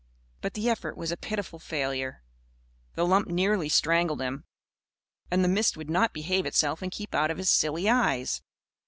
But the effort was a pitiful failure. The lump nearly strangled him. And the mist would not behave itself and keep out of his silly eyes.